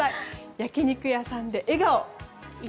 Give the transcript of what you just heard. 焼き肉屋さんで笑顔。